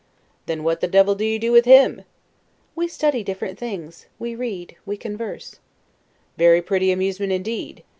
Then what the devil do you do with him? Stanhope. We study different things; we read, we converse. Englishman. Very pretty amusement indeed!